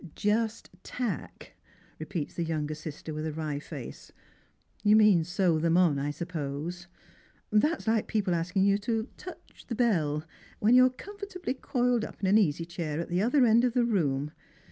"Just tack," repeats the younger sister with a wry face; " you mean sew them on, I suppose. That's like people asking you to ' touch ' the bell, when you're comfortably coiled up in an easy chair at the other end of the room.